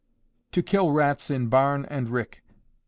_To Kill Rats in Barn and Rick.